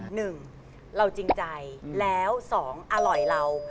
หนึ่งเราจริงใจแล้วสองอร่อยเรา